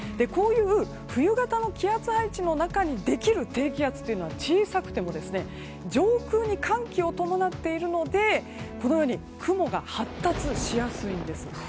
こういう冬型の気圧配置の中にできる低気圧というのは小さくても上空に寒気を伴っているのでこのように雲が発達しやすいんです。